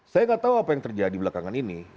saya nggak tahu apa yang terjadi belakangan ini